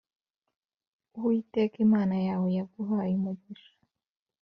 Uwiteka Imana yawe yaguhaye umugisha